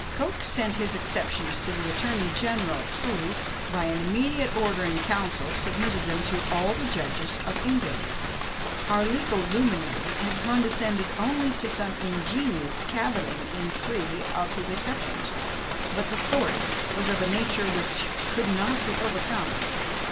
Coke sent his Exceptions to the attorney general, who, by an immediate order in council, submitted them to "all the judges of England." Our legal luminary had condescended only to some ingenious cavilling in three of his exceptions; but the fourth was of a nature which could not be overcome.